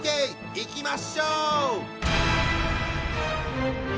いきましょう！